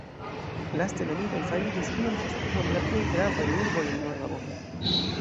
Laste nomitaj fariĝis iom post iom la plej gravaj urboj en norda Bohemio.